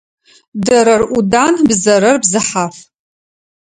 Дэрэр Ӏудан, бзэрэр бзыхьаф.